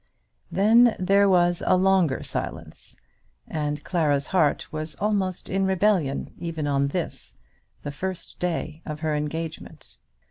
Then there was a longer silence, and Clara's heart was almost in rebellion even on this, the first day of her engagement.